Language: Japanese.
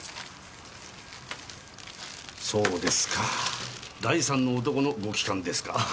そうですか第三の男のご帰還ですか。